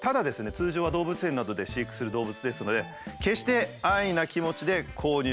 通常は動物園などで飼育する動物ですので「決して安易な気持ちで購入しない」と。